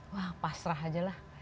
wah pasrah aja lah